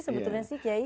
sebetulnya sih kyai